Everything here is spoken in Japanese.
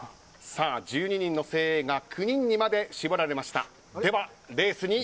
１２の精鋭が９人にまで絞られました。